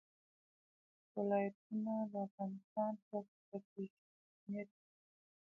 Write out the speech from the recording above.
ولایتونه د افغانستان په ستراتیژیک اهمیت کې دي.